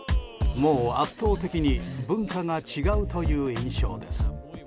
もう圧倒的に文化が違うという印象です。